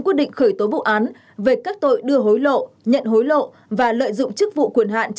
quyết định khởi tố vụ án về các tội đưa hối lộ nhận hối lộ và lợi dụng chức vụ quyền hạn